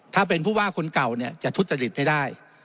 ถ้าเป็นผู้ว่าคนเก่าเนี่ยจะทุจริตไม่ได้